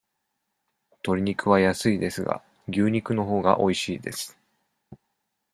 とり肉は安いですが、牛肉のほうがおいしいです。